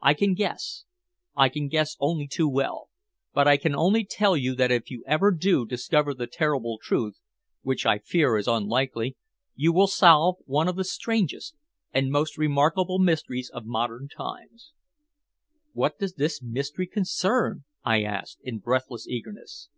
I can guess I can guess only too well but I can only tell you that if you ever do discover the terrible truth which I fear is unlikely you will solve one of the strangest and most remarkable mysteries of modern times." "What does the mystery concern?" I asked, in breathless eagerness.